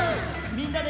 みんなで！